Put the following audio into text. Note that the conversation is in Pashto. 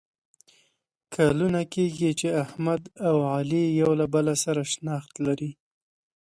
کلونه کېږي چې احمد او علي یو له بل سره شناخت لري.